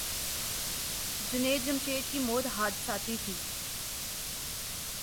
جنید جمشید کی موت حادثاتی تھی۔